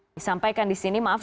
disampaikan disini maaf